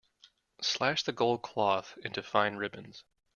Slash the gold cloth into fine ribbons.